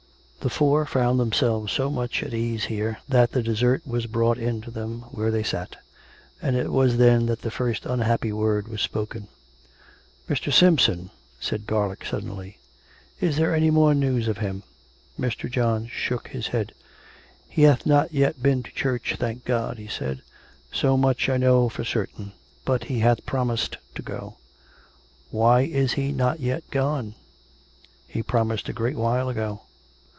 The four found themselves so much at ease here, that the dessert was brought in to them where they sat; and it was then that the first unhappy word was spoken. " Mr. Simpson !" said Garlick suddenly. " Is there any more news of him? " Mr. John shook his head. " He hath not yet been to church, thank God !" he said. " So much I know for certain. But he hath promised to go "" Why is he not yet gone .'' He promised a great while ago."